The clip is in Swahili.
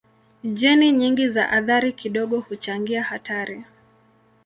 Jeni nyingi za athari kidogo huchangia hatari.